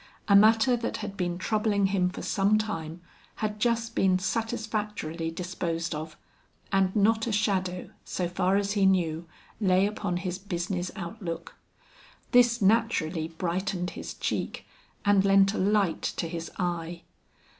A matter that had been troubling him for some time had just been satisfactorily disposed of, and not a shadow, so far as he knew, lay upon his business outlook. This naturally brightened his cheek and lent a light to his eye.